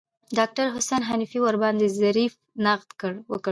ډاکتر حسن حنفي ورباندې ظریف نقد وکړ.